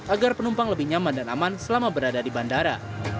agar penumpang lebih nyaman dan aman selama berada di bandara